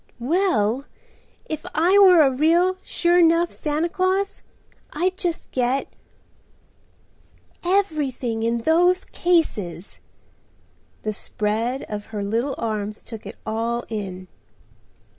"Well, if I were a real, sure 'nough Santa Claus, I'd just get—everything in those cases." The spread of her little arms took it all in.